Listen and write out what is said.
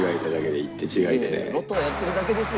「ロトをやってるだけですよ